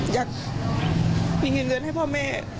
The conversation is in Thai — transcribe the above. อยากมีเงินให้พ่อแม่